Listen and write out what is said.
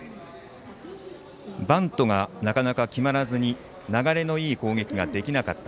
バントがなかなか決まらずに流れのいい攻撃ができなかった。